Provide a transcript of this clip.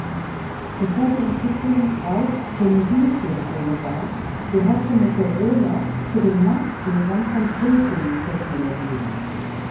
Bevor die Entwicklung reif für Mobiltelefone war, gehörte Motorola zu den Marktführern von Paging-Technologien.